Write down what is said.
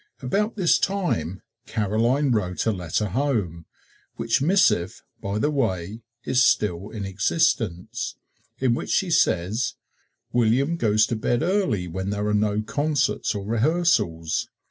About this time Caroline wrote a letter home, which missive, by the way, is still in existence, in which she says: "William goes to bed early when there are no concerts or rehearsals.